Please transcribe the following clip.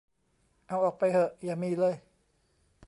เอาออกไปเหอะอย่ามีเลย